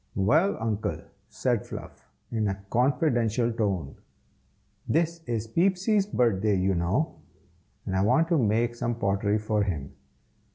"Well, Uncle," said Fluff, in a confidential tone, "this is Peepsy's birthday, you know, and I want to make some pottery for him.